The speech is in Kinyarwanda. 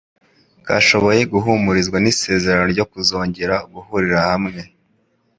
kashoboye guhumurizwa n’isezerano ryo kuzongera guhurira hamwe,